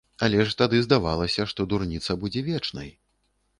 Але ж тады здавалася, што дурніца будзе вечнай.